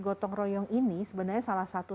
gotong royong ini sebenarnya salah satu